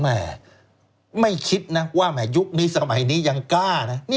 แม่ไม่คิดนะว่าแห่ยุคนี้สมัยนี้ยังกล้านะ